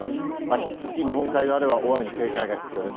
引き続き、日本海側では大雨に警戒が必要です。